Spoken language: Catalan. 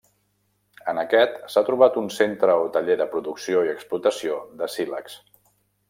En aquest, s'ha trobat un centre o taller de producció i explotació de sílex.